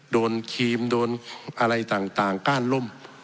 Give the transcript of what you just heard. ครีมโดนอะไรต่างก้านร่ม